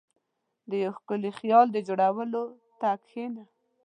• د یو ښکلي خیال د جوړولو ته کښېنه.